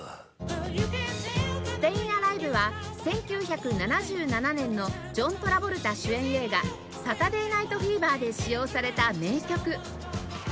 『ステイン・アライヴ』は１９７７年のジョン・トラボルタ主演映画『サタデー・ナイト・フィーバー』で使用された名曲